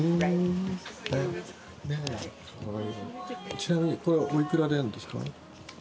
ちなみにこれはおいくらなんですか？